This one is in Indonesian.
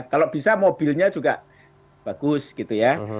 kalau bisa mobilnya juga bagus gitu ya